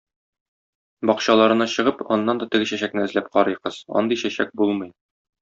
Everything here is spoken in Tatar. Бакчаларына чыгып, аннан да теге чәчәкне эзләп карый кыз, андый чәчәк булмый.